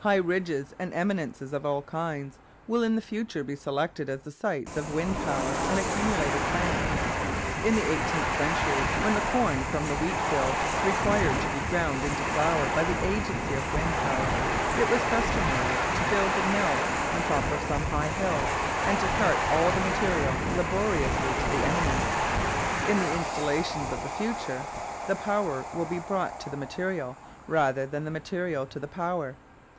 High ridges and eminences of all kinds will in the future be selected as the sites of wind power and accumulator plants. In the eighteenth century, when the corn from the wheat field required to be ground into flour by the agency of wind power, it was customary to build the mill on the top of some high hill and to cart all the material laboriously to the eminence. In the installations of the future the power will be brought to the material rather than the material to the power.